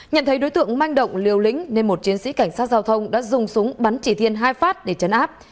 nhận thấy đối tượng manh động liều lĩnh nên một chiến sĩ cảnh sát giao thông đã dùng súng bắn chỉ thiên hai phát để chấn áp